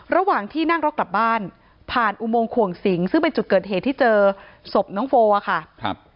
ระหว่างที่นั่งรถกลับบ้านผ่านอุโมงขวงสิงซึ่งเป็นจุดเกิดเหตุที่เจอศพน้องโฟอะค่ะครับ